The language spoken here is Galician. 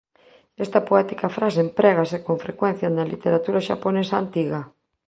Esta poética frase emprégase con frecuencia na literatura xaponesa antiga.